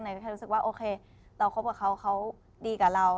แค่รู้สึกว่าโอเคเราคบกับเขาเขาดีกับเรา